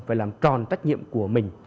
phải làm tròn trách nhiệm của mình